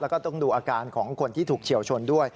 แล้วก็ต้องดูอาการของคนที่ถูกเฉียวชนด้วย